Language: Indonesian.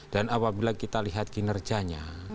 dan apabila kita lihat kinerjanya